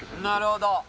なるほど。